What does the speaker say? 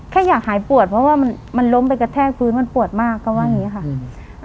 แค่อยากหายปวดเพราะว่ามันมันล้มไปกระแทกพื้นมันปวดมากก็ว่าอย่างงี้ค่ะอืม